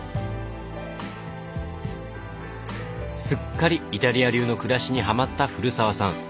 すっかりイタリア流の暮らしにはまった古澤さん。